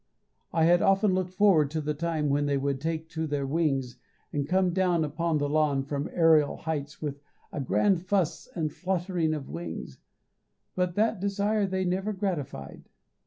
I had often looked forward to the time when they would take to their wings and come down upon the lawn from aerial heights with a grand fuss and fluttering of wings, but that desire they never gratified.